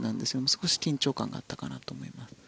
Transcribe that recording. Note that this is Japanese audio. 少し緊張感があったかなと思います。